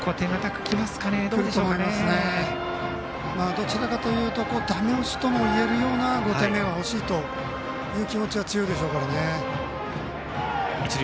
どちらかというとだめ押しともいえるような５点目欲しいという気持ちは強いでしょうからね。